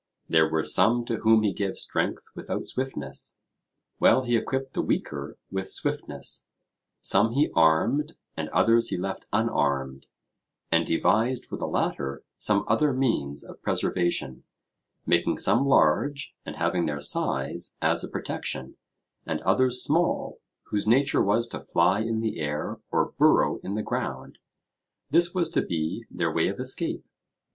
There were some to whom he gave strength without swiftness, while he equipped the weaker with swiftness; some he armed, and others he left unarmed; and devised for the latter some other means of preservation, making some large, and having their size as a protection, and others small, whose nature was to fly in the air or burrow in the ground; this was to be their way of escape.